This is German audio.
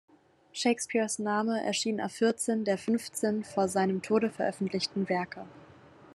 Shakespeares Name erschien auf vierzehn der fünfzehn vor seinem Tode veröffentlichten Werke.